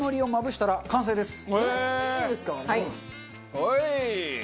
はい！